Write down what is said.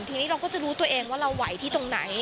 ทีนี้เราก็จะรู้ตัวเองว่าเราไหวที่ตรงไหน